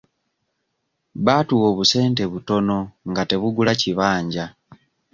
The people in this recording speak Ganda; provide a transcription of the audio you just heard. Baatuwa obusente butono nga tebugula kibanja.